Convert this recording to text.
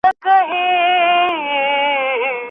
که چوکۍ وي نو ملا نه دردیږي.